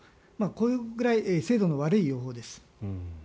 これぐらい制度の悪い予報です。